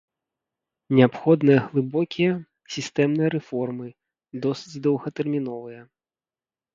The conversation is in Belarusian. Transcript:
Неабходныя глыбокія, сістэмныя рэформы, досыць доўгатэрміновыя.